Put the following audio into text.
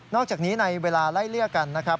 อกจากนี้ในเวลาไล่เลี่ยกันนะครับ